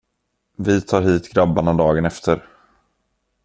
Vi tar hit grabbarna dagen efter.